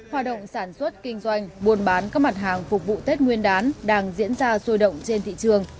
hoạt động sản xuất kinh doanh buôn bán các mặt hàng phục vụ tết nguyên đán đang diễn ra sôi động trên thị trường